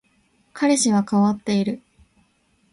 彼氏は変わっている